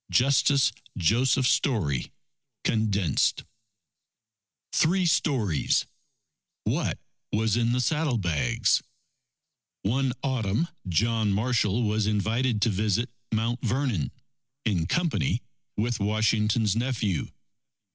Justice Joseph Story (Condensed) THREE STORIES What was in the Saddlebags One Autumn, John Marshall was invited to visit Mount Vernon, in company with Washington's nephew.